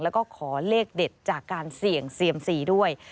แล้วก็ขอเลขเด็ดจากการเสี่ยงเซียมซีด้วย